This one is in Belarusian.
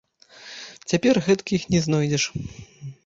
Цяпер гэткіх не знойдзеш.